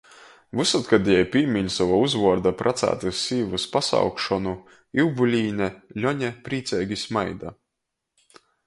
Vysod, kod jei pīmiņ sova uzvuorda pracātys sīvys pasaukšonu "Ivbulīne", Ļone prīceigi smaida.